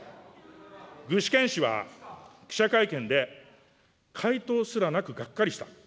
具志堅氏は記者会見で、回答すらなくがっかりした。